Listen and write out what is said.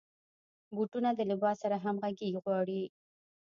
بوټونه د لباس سره همغږي غواړي.